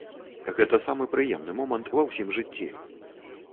Гэта самы прыемны момант ва ўсім жыцці!